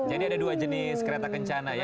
jadi ada dua jenis kereta kencana ya